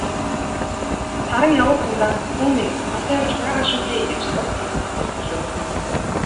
Саран явуут дундаа "Хүү минь одоо явж байгаа шүү дээ" гэж дуулдах төдий хэлэв.